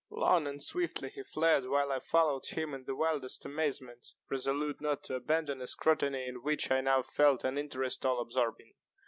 Long and swiftly he fled, while I followed him in the wildest amazement, resolute not to abandon a scrutiny in which I now felt an interest all absorbing.